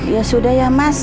ya sudah ya mas